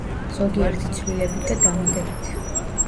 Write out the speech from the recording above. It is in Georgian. ზოგიერთი ცვლილებით და დამატებით.